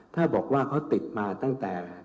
ถ้าบอกว่าเขาติดมาตั้งแต่